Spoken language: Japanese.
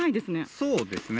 そうですね。